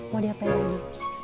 mau dp lagi